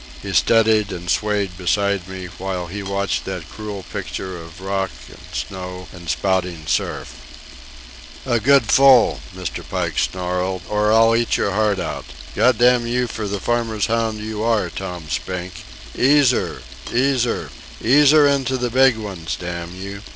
He steadied and swayed beside me, while he watched that cruel picture of rock and snow and spouting surf. "A good full!" Mr. Pike snarled. "Or I'll eat your heart out. God damn you for the farmer's hound you are, Tom Spink! Ease her! Ease her! Ease her into the big ones, damn you!